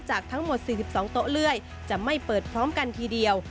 ทั้งหมด๔๒โต๊ะเลื่อยจะไม่เปิดพร้อมกันทีเดียว